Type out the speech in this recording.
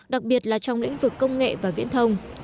đặc biệt là trong lĩnh vực công nghệ và viễn thông